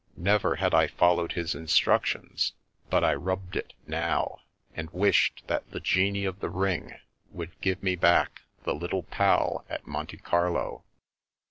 Never had I followed his instructions ; but I rubbed it now, and wished that the genie of the ring would give me back the Little Pal at Monte Carlo.